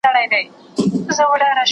¬ که ولي نه يم، خالي هم نه يم.